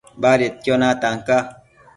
Badedquio natan ca